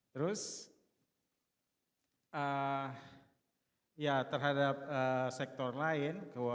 terus ya terhadap sektor lain